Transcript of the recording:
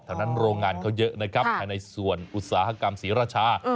แถวนั้นโรงงานเขาเยอะในส่วนอุตสาหกรรมศรีราชา